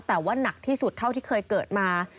แต่ว่าหนักที่สุดเท่าที่เคยเกิดมา